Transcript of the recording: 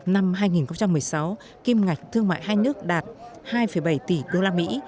năm hai nghìn một mươi sáu kim ngạch thương mại hai nước đạt hai bảy tỷ usd